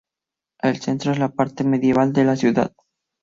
El centro es la parte medieval de la ciudad.